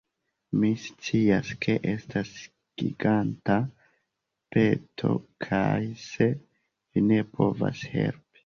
Mi scias, ke estas giganta peto kaj se vi ne povas helpi